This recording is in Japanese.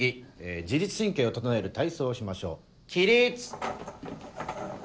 自律神経を整える体操をしましょう起立！